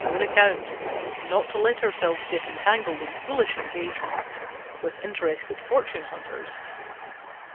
321 own account, not to let ourselves get entangled in foolish engagements with interested fortune hunters.